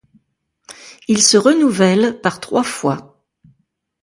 Ils se renouvellent par trois fois.